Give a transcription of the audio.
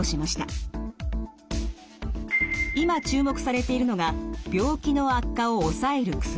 今注目されているのが病気の悪化を抑える薬。